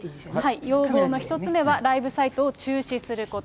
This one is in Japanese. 要望の１つ目はライブサイトを中止すること。